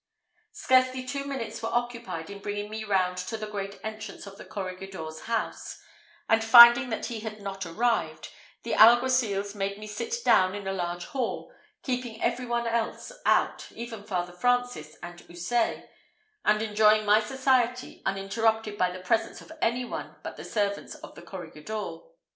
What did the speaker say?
Scarcely two minutes were occupied in bringing me round to the great entrance of the corregidor's house; and finding that he had not arrived, the alguacils made me sit down in a large hall, keeping every one else out, even Father Francis and Houssaye; and enjoying my society, uninterrupted by the presence of any one but the servants of the corregidor.